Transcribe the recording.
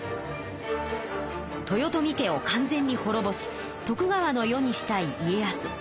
豊臣家を完全にほろぼし徳川の世にしたい家康。